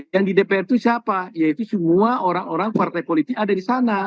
yang di dpr itu siapa yaitu semua orang orang partai politik ada di sana